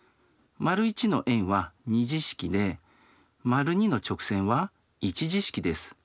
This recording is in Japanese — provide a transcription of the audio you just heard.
①の円は２次式で②の直線は１次式です。